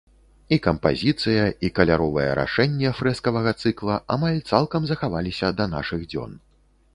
І кампазіцыя, і каляровае рашэнне фрэскавага цыкла амаль цалкам захаваліся да нашых дзён.